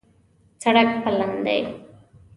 سړک پلن دی